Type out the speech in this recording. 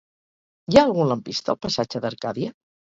Hi ha algun lampista al passatge d'Arcadia?